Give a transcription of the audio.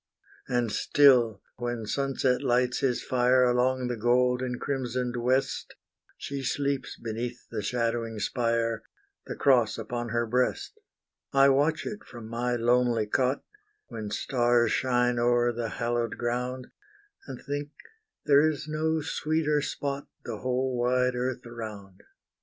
And still, when sunset lights his fire Along the gold and crimsoned west, She sleeps beneath the shadowing spire, The cross upon her breast. I watch it from my lonely cot, When stars shine o'er the hallowed ground, And think there is no sweeter spot, The whole wide earth around.